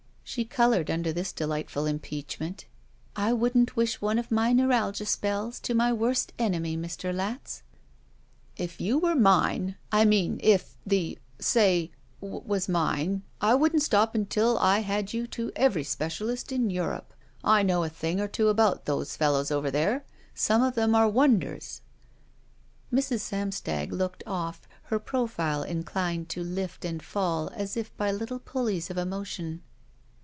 She colored tmder this delightful impeachment. *'I wouldn't wish one of my neuralgia spells to my worst enemy, Mr. Latz." "K you were mine — I mean — if — ^the — say — ^was mine — ^I wouldn't stop imtil I had you to every specialist in Europe. I know a thing or two about those fellows over there. Some of them are wonders." Mrs. Samstag looked off, her profile inclined to lift and fall as if by little pulleys of emotion.